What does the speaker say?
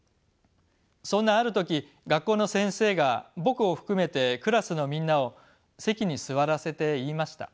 そんなある時学校の先生が僕を含めてクラスのみんなを席に座らせて言いました。